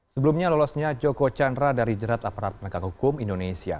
sebelumnya lolosnya joko chandra dari jerat aparat penegak hukum indonesia